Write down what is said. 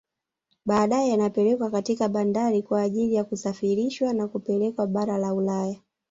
Badae yanapelekwa katika bandari kwa ajili ya kusafirishwa na kupelekwa bara la Ulaya